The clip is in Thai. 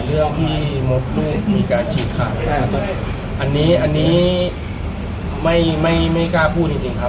ในเรื่องที่มดลูกมีการฉีดขาดอันนี้ไม่กล้าพูดอย่างจริงครับ